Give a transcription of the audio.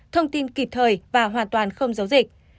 thông tin kịp thời và hoàn toàn không giấu dịch